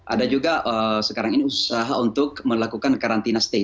ada juga sekarang ini usaha untuk melakukan karantina stay